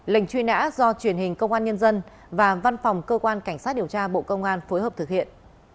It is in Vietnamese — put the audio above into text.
lệnh truy nã do truyền hình công an nhân dân và văn phòng cơ quan cảnh sát điều tra bộ công an phối hợp thực hiện